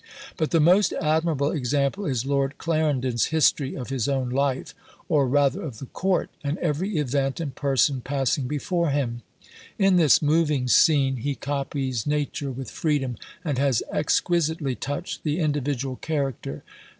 But the most admirable example is Lord Clarendon's History of his own "Life," or rather of the court, and every event and person passing before him. In this moving scene he copies nature with freedom, and has exquisitely touched the individual character.